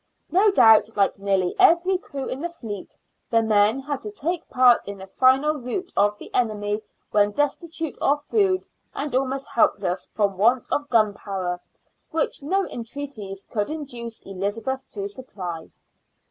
No doubt, like nearly every crew in the fleet, the men had to take part in the final rout of the enemy when destitute of food and almost helpless from want of gunpowder, which no entreaties could induce Elizabeth to supply.